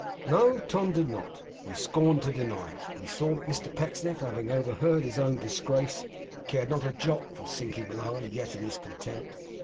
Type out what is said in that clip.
No, Tom did not. He scorned to deny it. He saw that Mr Pecksniff having overheard his own disgrace, cared not a jot for sinking lower yet in his contempt.